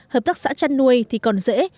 hợp tác xã chăn nuôi thì còn dễ